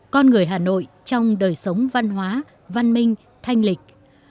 con người hà nội trong đời sống văn hóa văn minh thanh lịch